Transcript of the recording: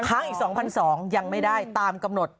ค้างอีก๒๒๐๐ยังไม่ได้ตามกำหนด